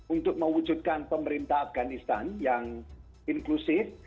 untuk mewujudkan pemerintah afganistan yang inklusif